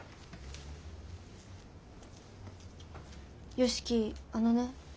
良樹あのね。